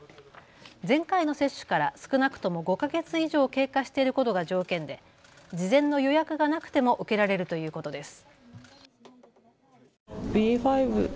前回の接種から少なくとも５か月以上経過していることが条件で事前の予約がなくても受けられるということです。